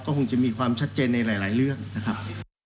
ก็คงจะมีความชัดเจนในหลายเรื่องนะครับ